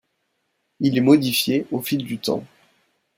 Il est modifié au fil du temps.